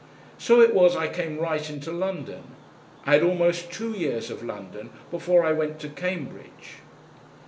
So it was I came right into London; I had almost two years of London before I went to Cambridge.